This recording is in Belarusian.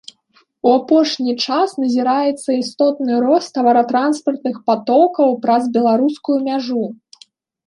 У апошні час назіраецца істотны рост таваратранспартных патокаў праз беларускую мяжу.